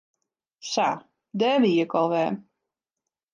Sa, dêr wie ik al wer.